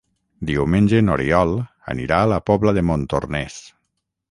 Diumenge n'Oriol anirà a la Pobla de Montornès.